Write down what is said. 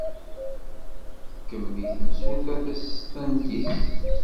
Tkemmel temsulta tasestant-nnes.